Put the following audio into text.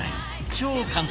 超簡単！